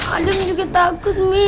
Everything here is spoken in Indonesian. adam juga takut mi